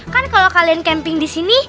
kan kalau kalian camping disini